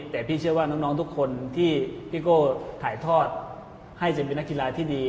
แต่พี่เชื่อว่าน้องทุกคนที่พี่โก้ถ่ายทอดให้เซ็นเป็นนักกีฬาที่ดี